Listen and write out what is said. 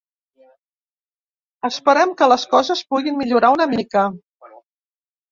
Esperem que les coses puguin millorar un mica.